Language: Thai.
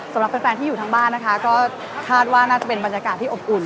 สำหรับแฟนที่อยู่ทางบ้านนะคะก็คาดว่าน่าจะเป็นบรรยากาศที่อบอุ่น